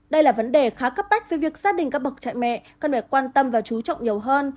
đây là vấn đề khá cấp bách với việc gia đình các bậc cha mẹ cần phải quan tâm và chú trọng nhiều hơn